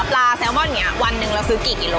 หัวปลาแซลมอนเนี่ยวันหนึ่งเราซื้อกี่กิโล